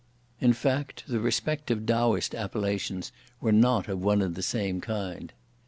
(In fact,) the respective Taoist appellations were not of one and the same kind.